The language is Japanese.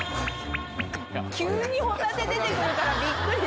急にホタテ出てくるからびっくり。